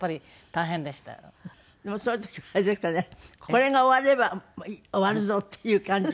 これが終われば終わるぞっていう感じ？